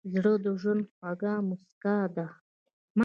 زړه د ژوند خوږه موسکا ده.